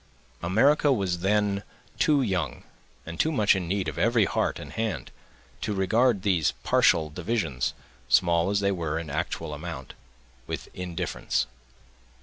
America was then too young, and too much in need of every heart and hand, to regard these partial divisions, small as they were in actual amount, with indifference.